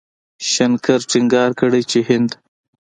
شنکر ټينګار کړی چې هند